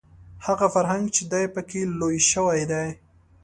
هغه فرهنګ چې دی په کې لوی شوی دی